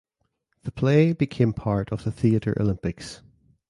The play became part of the Theatre Olympics.